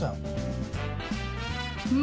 うん！